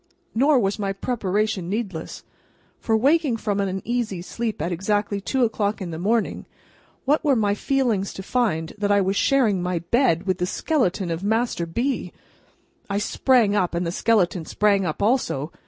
Nor was my preparation needless, for, waking from an uneasy sleep at exactly two o'clock in the morning, what were my feelings to find that I was sharing my bed with the skeleton of Master B.! I sprang up, and the skeleton sprang up also.